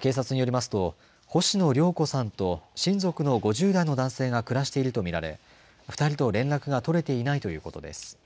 警察によりますと、星野良子さんと親族の５０代の男性が暮らしていると見られ、２人と連絡が取れていないということです。